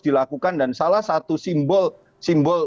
dilakukan dan salah satu simbol